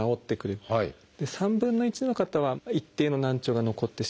３分の１の方は一定の難聴が残ってしまう。